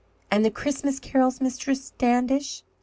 "And the Christmas carols, Mistress Standish?